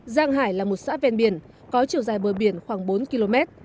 giang hải là một xã ven biển có chiều dài bờ biển khoảng bốn km